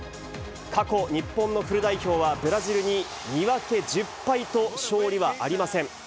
過去、日本のフル代表はブラジルに２分１０敗と、勝利はありません。